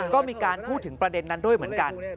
ก็มีการพูดถึงประเด็นนั้นด้วยเหมือนกัน